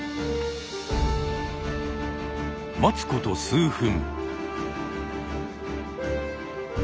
待つこと数分。